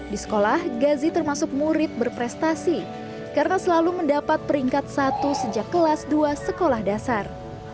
di sekolah gazi termasuk murid berprestasi karena selalu mendapat peringkat satu sejak kelas dua sekolah dasar